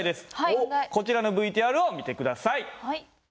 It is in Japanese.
こちらのＶＴＲを見て下さい。